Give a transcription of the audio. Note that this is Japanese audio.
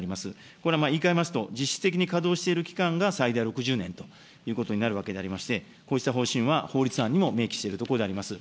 これは言い換えますと、実質的に稼働している期間が最大６０年となるわけでありまして、こうした方針は法律案にも明記しているところであります。